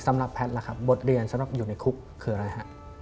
สำหรับแพทย์ล่ะครับบทเรียนสำหรับอยู่ในคุกคืออะไรฮะ